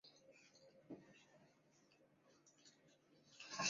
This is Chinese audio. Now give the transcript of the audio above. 东侧不远则是施高塔路口的内山书店。